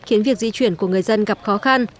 khiến việc di chuyển của người dân gặp khó khăn